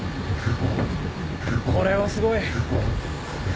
これはすごい。